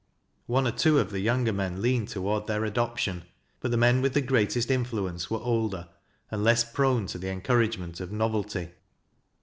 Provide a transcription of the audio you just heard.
One or two of the j'ounger men leaned toward their adoption. But the men with the greatest influence were older, and leBs prone to the encouragement of novelty.